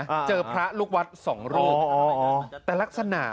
อ่าเจอพระลูกวัดสองโรคอ๋ออ๋อแต่ลักษณะอ่ะ